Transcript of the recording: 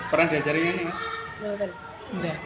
pernah belajar nyanyi